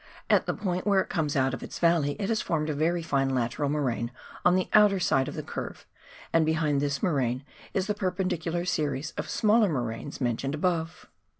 At the point where it comes out of its valley it has formed a very fine lateral moraine on the outer side of the curve, and behind this moraine is the pecu liar series of smaller moraines mentioned above.